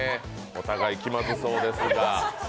お互い気まずそうですが。